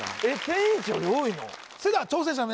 天一より多いの？